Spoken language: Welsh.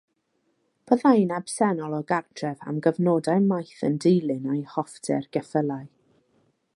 Byddai'n absennol o gartref am gyfnodau maith yn dilyn ei hoffter o geffylau.